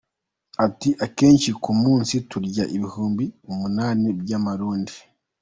Ati "Akenshi ku munsi turya ibihumbi umunani by’amarundi".